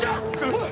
おい！